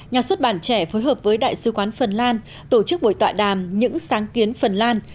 nhà xuất bản trẻ phối hợp với đại sứ quán phần lan tổ chức buổi tọa đàm những sáng kiến phần lan